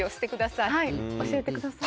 はい教えてください。